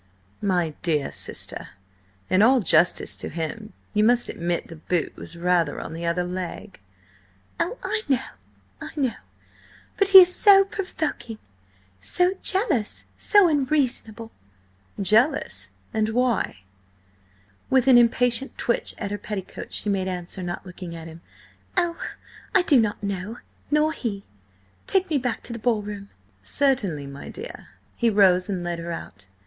"My dear sister, in all justice to him, you must admit the boot was rather on the other leg." "Oh, I know–I know! But he is so provoking!–so jealous!–so unreasonable!" "Jealous? And why?" With an impatient twitch at her petticoat she made answer, not looking at him. "Oh, I do not know! Nor he! Take me back to the ball room." "Certainly, my dear." He rose and led her out.